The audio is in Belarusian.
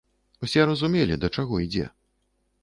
Усе разумелі, да чаго ідзе.